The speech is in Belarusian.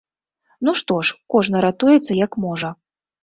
Ну што ж, кожны ратуецца як можа.